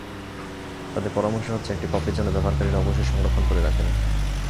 তাদের পরামর্শ হচ্ছে, একটি কপি যেন ব্যবহারকারীরা অবশ্যই সংরক্ষণ করে রাখেন।